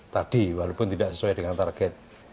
tadi walaupun tidak sesuai dengan target